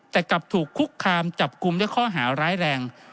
แต่กลับถูกคุกคามจับกลุ่มด้วยข้อหาร้ายแรง